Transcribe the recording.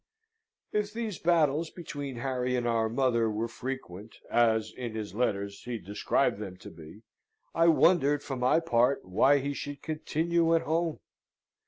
If these battles between Harry and our mother were frequent, as, in his letters, he described them to be, I wondered, for my part, why he should continue at home?